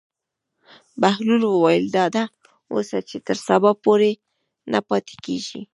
بهلول وویل: ډاډه اوسه چې تر سبا پورې نه پاتې کېږي.